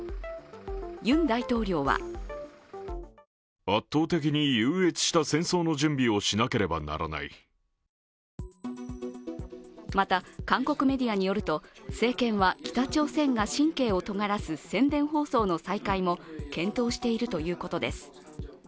ユン大統領はまた、韓国メディアによると政権は北朝鮮が神経をとがらす宣伝放送の再開も検討しているということです。